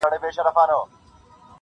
پرون یې بیا له هغه ښاره جنازې وایستې -